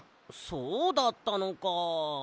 そうだったのか。